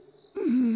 うん。